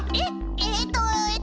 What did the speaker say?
えっとえっと。